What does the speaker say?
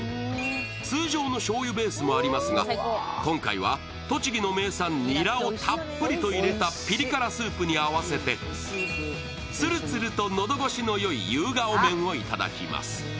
通常のしょうゆベースもありますが今回は栃木の名産ニラをたっぷりと入れたピリ辛スープに合わせて、つるつると喉越しのよい夕顔麺をいただきます。